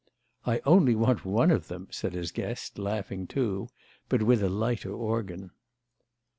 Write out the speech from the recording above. "I only want one of them," said his guest, laughing too, but with a lighter organ.